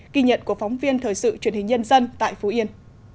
ghi nhận của phóng viên thời sự truyền hình nhân dân tại phú yên